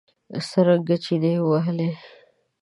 څرنګه چنې ووهلې.